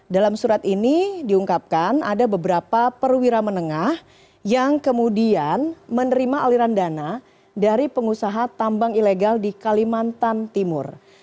dalam surat ini diungkapkan ada beberapa perwira menengah yang kemudian menerima aliran dana dari pengusaha tambang ilegal di kalimantan timur